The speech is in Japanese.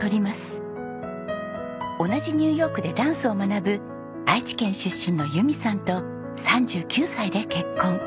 同じニューヨークでダンスを学ぶ愛知県出身の友美さんと３９歳で結婚。